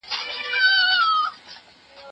تسلي چا ته په دغه خړ مازیګر کې ورسېده؟